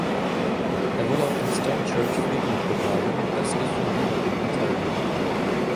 Er wurde auf dem Stone Church-Friedhof begraben, östlich von Beaverton, Ontario.